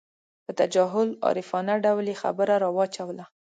په تجاهل عارفانه ډول یې خبره راواچوله.